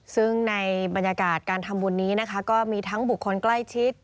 ซึ่งในบรรยากาศการทำบุญนี้นะคะก็มีทั้งบุคคลใกล้ชิด